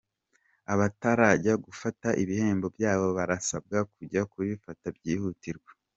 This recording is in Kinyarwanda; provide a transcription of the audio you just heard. Abatarajya gufata ibihembo byabo barasabwa kujya kubifata byihutirwa.